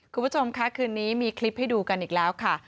คุณผู้ชมค่ะคืนนี้มีคลิปให้ดูกันอีกแล้วค่ะ